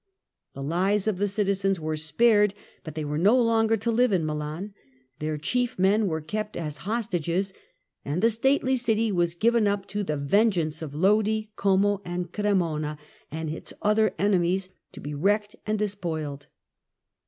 The lives of the citizens were spared, but they were no longer to live in Milan, their chief men were kept as hostages, and the stately city was given up to the vengeance of Lodi, Como, Cremona and its other enemies, to be wrecked and despoiled.